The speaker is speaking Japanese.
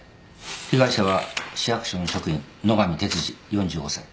被害者は市役所の職員野上哲司４５歳。